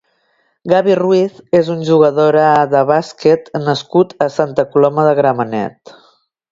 Gaby Ruiz és un jugadora de bàsquet nascut a Santa Coloma de Gramenet.